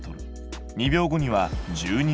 ２秒後には１２ｍ。